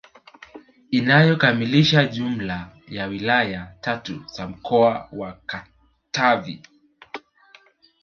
Inayokamilisha jumla ya wilaya tatu za mkoa wa Katavi